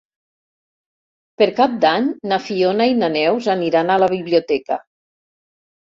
Per Cap d'Any na Fiona i na Neus aniran a la biblioteca.